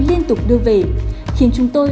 liên tục đưa về khiến chúng tôi